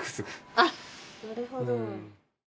あっなるほど！